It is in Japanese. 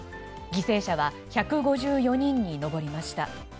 犠牲者は１５４人に上りました。